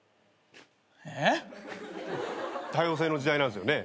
えっ？多様性の時代なんすよね？